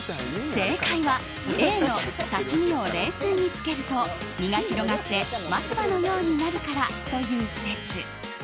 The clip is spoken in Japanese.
正解はＡの刺し身を冷水につけると身が広がって松の葉のようになるからという説。